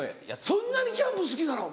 そんなにキャンプ好きなの？